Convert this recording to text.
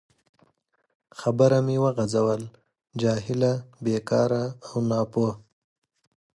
خبره مې وغځول: جاهله، بیکاره او ناپوه.